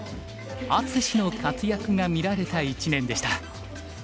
「あつし」の活躍が見られた一年でした。